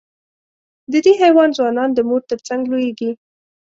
د دې حیوان ځوانان د مور تر څنګ لویېږي.